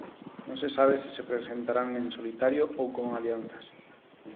Non se sabe se se presentarán en solitario ou con alianzas.